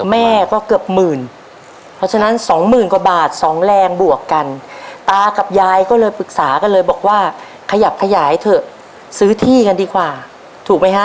แม่ก็เกือบหมื่นเพราะฉะนั้นสองหมื่นกว่าบาทสองแรงบวกกันตากับยายก็เลยปรึกษากันเลยบอกว่าขยับขยายเถอะซื้อที่กันดีกว่าถูกไหมฮะ